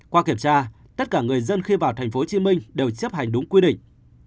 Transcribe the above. qua kiểm tra tất cả người dân khi vào tp hcm đều chấp hành đúng quy định